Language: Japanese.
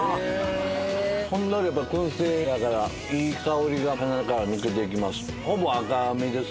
ほんのりやっぱ、燻製だから、いい香りが鼻から抜けていきます。